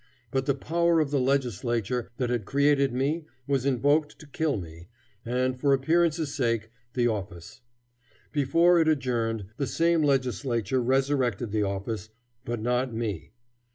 But the power of the Legislature that had created me was invoked to kill me, and, for appearance's sake, the office. Before it adjourned, the same Legislature resurrected the office, but not me.